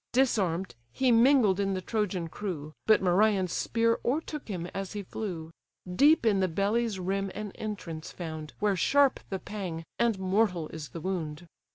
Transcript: Disarm'd, he mingled in the Trojan crew; But Merion's spear o'ertook him as he flew, Deep in the belly's rim an entrance found, Where sharp the pang, and mortal is the wound.